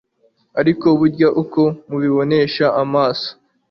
ariko burya uko mubibonesha amaso